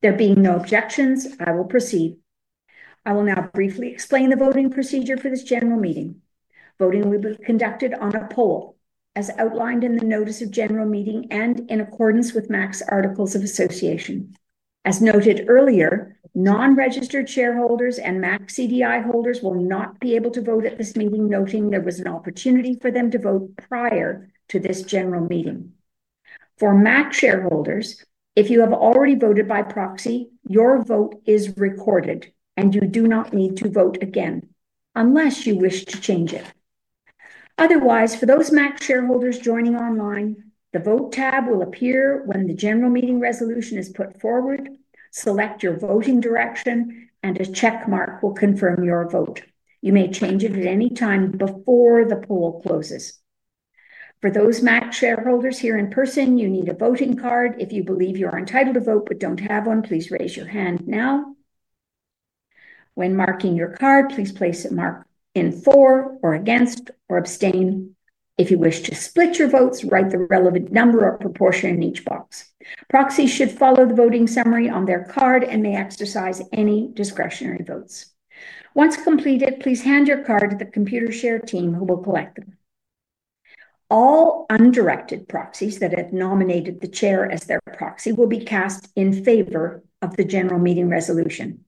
There being no objections, I will proceed. I will now briefly explain the voting procedure for this general meeting. Voting will be conducted on a poll, as outlined in the notice of general meeting and in accordance with MAC's Articles of Association. As noted earlier, non-registered shareholders and MAC CDI holders will not be able to vote at this meeting, noting there was an opportunity for them to vote prior to this general meeting. For MAC shareholders, if you have already voted by proxy, your vote is recorded and you do not need to vote again unless you wish to change it. Otherwise, for those MAC shareholders joining online, the vote tab will appear when the general meeting resolution is put forward. Select your voting direction and a check mark will confirm your vote. You may change it at any time before the poll closes. For those MAC shareholders here in person, you need a voting card. If you believe you are entitled to vote but don't have one, please raise your hand now. When marking your card, please place the mark in for, against, or abstain. If you wish to split your votes, write the relevant number or proportion in each box. Proxies should follow the voting summary on their card and may exercise any discretionary votes. Once completed, please hand your card to the Computershare team who will collect it. All undirected proxies that have nominated the Chair as their proxy will be cast in favor of the general meeting resolution.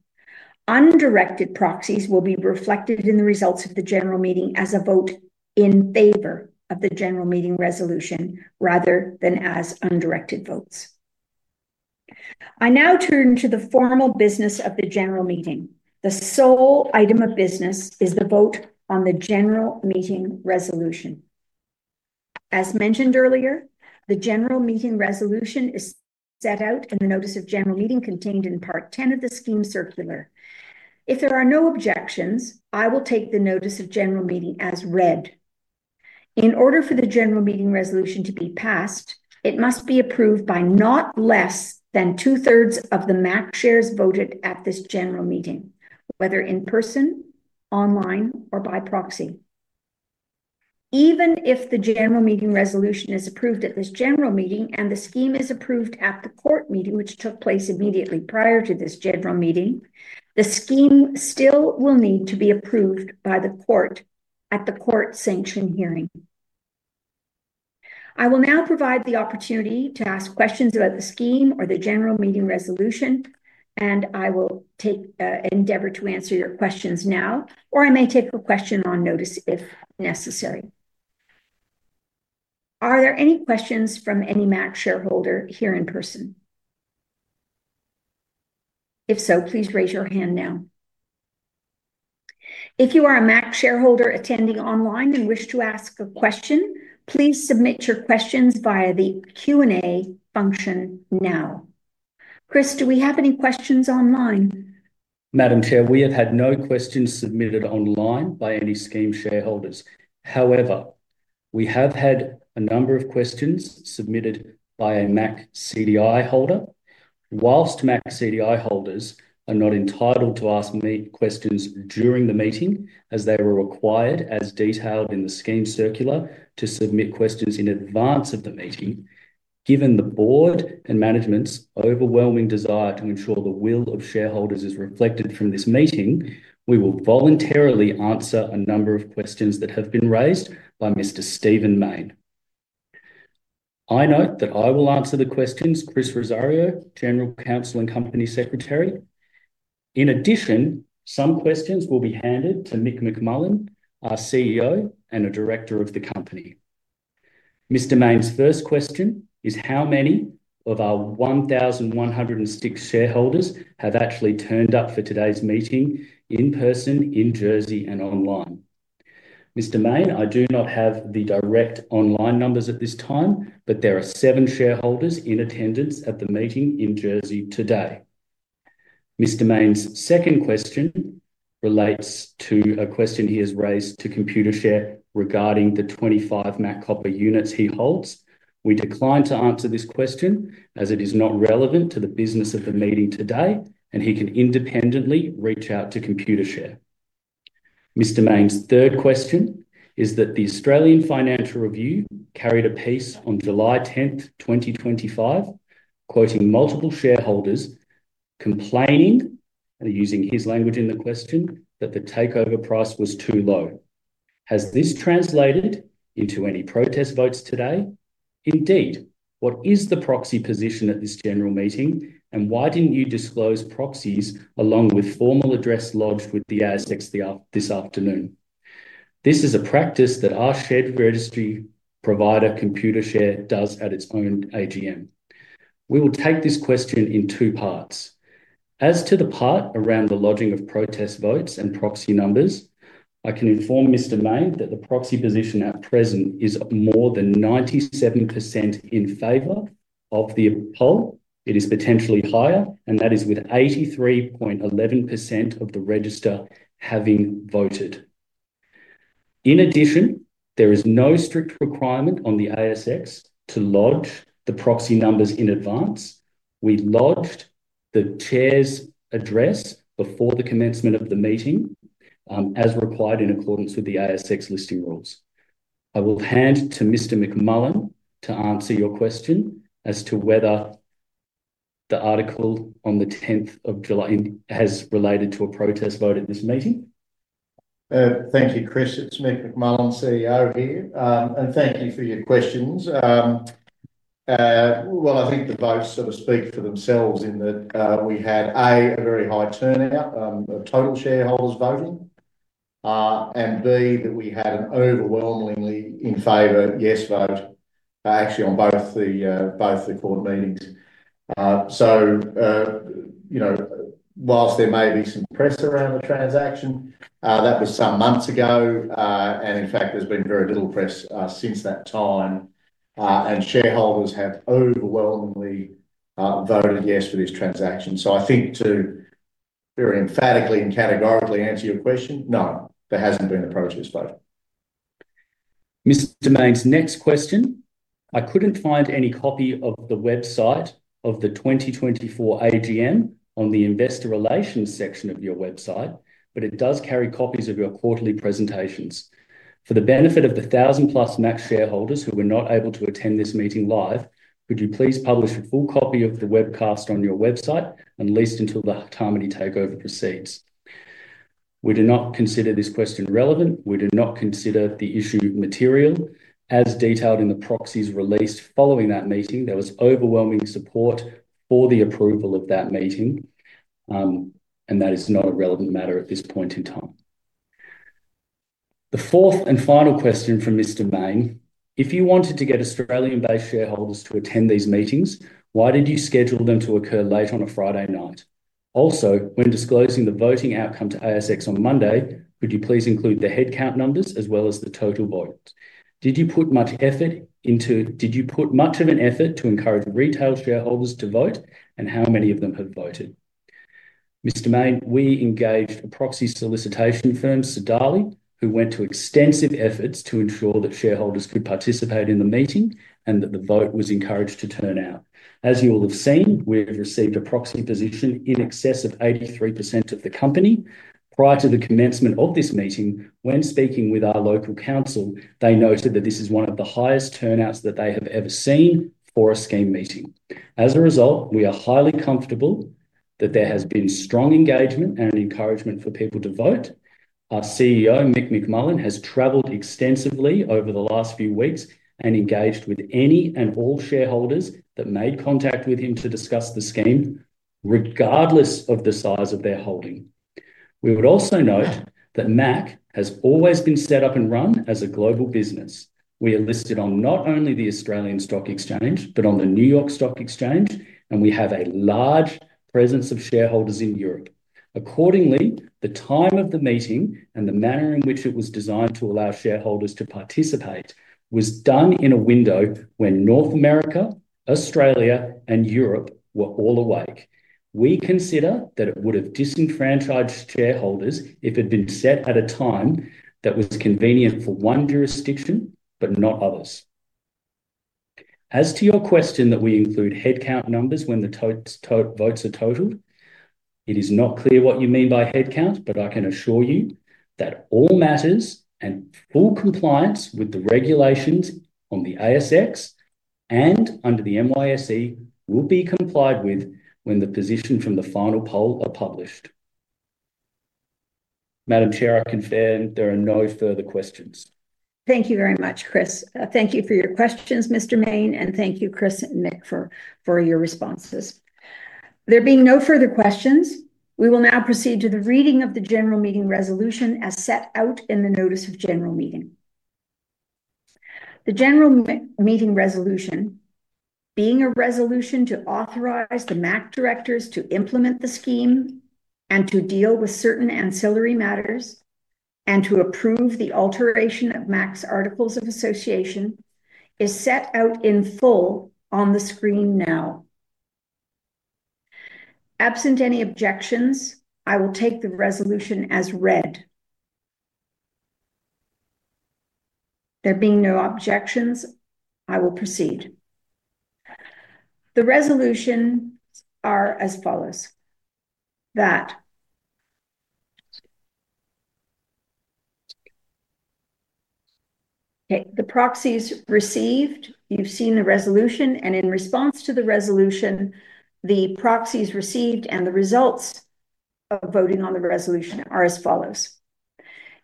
Undirected proxies will be reflected in the results of the general meeting as a vote in favor of the general meeting resolution rather than as undirected votes. I now turn to the formal business of the general meeting. The sole item of business is the vote on the general meeting resolution. As mentioned earlier, the general meeting resolution is set out in the notice of general meeting contained in part 10 of the Scheme Circular. If there are no objections, I will take the notice of general meeting as read. In order for the general meeting resolution to be passed, it must be approved by not less than two-thirds of the MAC shares voted at this general meeting, whether in person, online, or by proxy. Even if the general meeting resolution is approved at this general meeting and the Scheme is approved at the court meeting, which took place immediately prior to this general meeting, the Scheme still will need to be approved by the court at the court sanction hearing. I will now provide the opportunity to ask questions about the Scheme or the general meeting resolution, and I will take an endeavor to answer your questions now, or I may take a question on notice if necessary. Are there any questions from any MAC shareholder here in person? If so, please raise your hand now. If you are a MAC shareholder attending online and wish to ask a question, please submit your questions via the Q&A function now. Chris, do we have any questions online? Madam Chair, we have had no questions submitted online by any Scheme shareholders. However, we have had a number of questions submitted by a MAC CDI holder. While MAC CDI holders are not entitled to ask me questions during the meeting, as they are required, as detailed in the Scheme Circular, to submit questions in advance of the meeting, given the board and management's overwhelming desire to ensure the will of shareholders is reflected from this meeting, we will voluntarily answer a number of questions that have been raised by Mr. Steven Main. I note that I will answer the questions, Chris Rosario, General Counsel and Company Secretary. In addition, some questions will be handed to Mick McMullen, our CEO and a Director of the company. Mr. Main's first question is how many of our 1,106 shareholders have actually turned up for today's meeting in person in Jersey and online? Mr. Main, I do not have the direct online numbers at this time, but there are seven shareholders in attendance at the meeting in Jersey today. Mr. Main's second question relates to a question he has raised to Computershare regarding the 25 MAC Copper units he holds. We decline to answer this question as it is not relevant to the business of the meeting today, and he can independently reach out to Computershare. Mr. Main's third question is that the Australian Financial Review carried a piece on July 10th, 2025, quoting multiple shareholders complaining, and using his language in the question, that the takeover price was too low. Has this translated into any protest votes today? Indeed. What is the proxy position at this general meeting and why didn't you disclose proxies along with formal address logs with the ASX this afternoon? This is a practice that our share registry provider, Computershare, does at its own AGM. We will take this question in two parts. As to the part around the logging of protest votes and proxy numbers, I can inform Mr. Main that the proxy position at present is more than 97% in favor of the poll. It is potentially higher, and that is with 83.11% of the register having voted. In addition, there is no strict requirement on the ASX to log the proxy numbers in advance. We logged the Chair's address before the commencement of the meeting, as required in accordance with the ASX listing rules. I will hand to Mr. McMullen to answer your question as to whether the article on the 10th of July has related to a protest vote at this meeting. Thank you, Chris. It's Mick McMullen, CEO here, and thank you for your questions. I think they both sort of speak for themselves in that we had, A, a very high turnout of total shareholders voting, and B, that we had an overwhelmingly in favor yes vote, actually on both the court meetings. You know, while there may be some pressure on the transaction, that was some months ago, and in fact, there's been very little press since that time, and shareholders have overwhelmingly voted yes to this transaction. I think to very emphatically and categorically answer your question, no, there hasn't been a protest vote. Mr. Main's next question. I couldn't find any copy of the website of the 2024 AGM on the investor relations section of your website, but it does carry copies of your quarterly presentations. For the benefit of the 1,000+ MAC shareholders who were not able to attend this meeting live, would you please publish a full copy of the webcast on your website and listen to the harmony takeover proceeds? We do not consider this question relevant. We do not consider the issue material as detailed in the proxies release following that meeting. There was overwhelming support for the approval of that meeting, and that is not a relevant matter at this point in time. The fourth and final question from Mr. Main, if you wanted to get Australian-based shareholders to attend these meetings, why did you schedule them to occur late on a Friday night? Also, when disclosing the voting outcome to ASX on Monday, would you please include the headcount numbers as well as the total votes? Did you put much effort into, did you put much of an effort to encourage retail shareholders to vote, and how many of them have voted? Mr. Main, we engaged proxy solicitation firm Sodali, who went to extensive effort to ensure that shareholders could participate in the meeting and that the vote was encouraged to turn out. As you all have seen, we have received a proxy position in excess of 83% of the company. Prior to the commencement of this meeting, when speaking with our local counsel, they noted that this is one of the highest turnouts that they have ever seen for a scheme meeting. As a result, we are highly comfortable that there has been strong engagement and encouragement for people to vote. Our CEO, Mick McMullen, has traveled extensively over the last few weeks and engaged with any and all shareholders that made contact with him to discuss the scheme, regardless of the size of their holding. We would also note that MAC has always been set up and run as a global business. We are listed on not only the Australian Securities Exchange, but on the New York Stock Exchange, and we have a large presence of shareholders in Europe. Accordingly, the time of the meeting and the manner in which it was designed to allow shareholders to participate was done in a window when North America, Australia, and Europe were all awake. We consider that it would have disenfranchised holders if it had been set at a time that was convenient for one jurisdiction, but not others. As to your question that we include headcount numbers when the totes are totaled, it is not clear what you mean by headcounts, but I can assure you that all matters and full compliance with the regulations on the ASX and under the NYSE will be complied with when the position from the final poll are published. Madam Chair, I confirm there are no further questions. Thank you very much, Chris. Thank you for your questions, Mr. Main, and thank you, Chris, and Mick for your responses. There being no further questions, we will now proceed to the reading of the general meeting resolution as set out in the notice of general meeting. The general meeting resolution being a resolution to authorize the MAC directors to implement the scheme and to deal with certain ancillary matters and to approve the alteration of MAC's Articles of Association, is set out in full on the screen now. Absent any objections, I will take the resolution as read. There being no objections, I will proceed. Okay, the proxies received, you've seen the resolution, and in response to the resolution, the proxies received and the results of voting on the resolution are as follows.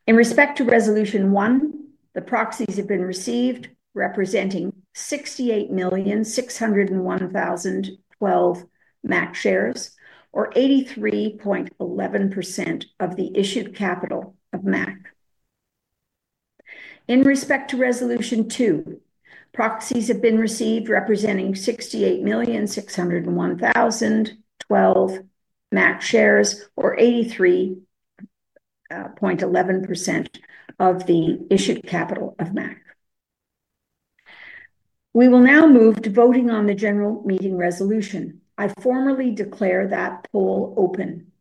In respect to resolution one, the proxies have been received, representing 68,601,012 MAC shares, or 83.11% of the issued capital of MAC. In respect to resolution two, proxies have been received, representing 68,601,012 MAC shares, or 83.11% of the issued capital of MAC. We will now move to voting on the general meeting resolution. I formally declare that poll open.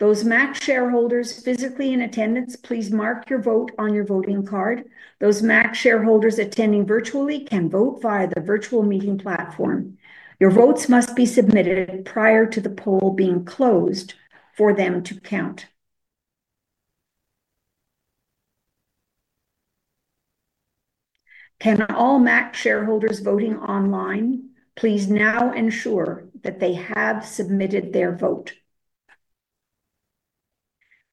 Those MAC shareholders physically in attendance, please mark your vote on your voting card. Those MAC shareholders attending virtually can vote via the virtual meeting platform. Your votes must be submitted prior to the poll being closed for them to count. These are all MAC shareholders voting online. Please now ensure that they have submitted their vote.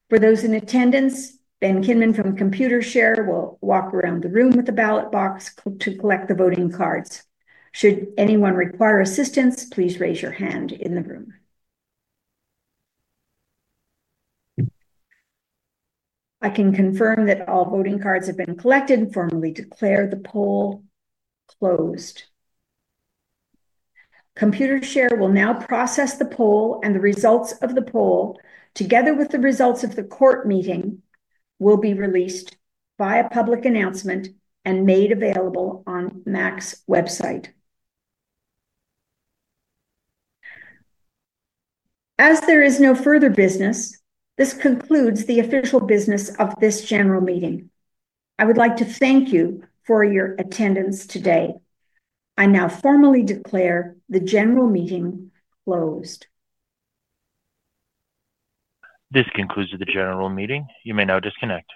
For those in attendance, Ben Kynman from Computershare will walk around the room with the ballot box to collect the voting cards. Should anyone require assistance, please raise your hand in the room. I can confirm that all voting cards have been collected and formally declare the poll closed. Computershare will now process the poll, and the results of the poll, together with the results of the court meeting, will be released via public announcement and made available on MAC's website. As there is no further business, this concludes the official business of this general meeting. I would like to thank you for your attendance today. I now formally declare the general meeting closed. This concludes the general meeting. You may...